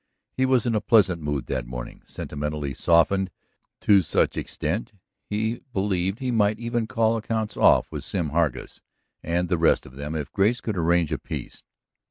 He was in a pleasant mood that morning, sentimentally softened to such extent that he believed he might even call accounts off with Sim Hargus and the rest of them if Grace could arrange a peace.